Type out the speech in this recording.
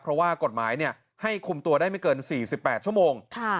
เพราะว่ากฎหมายให้คุมตัวได้ไม่เกิน๔๘ชั่วโมง